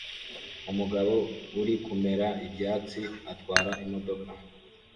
Umugabo uri kumera ibyatsi atwara imodoka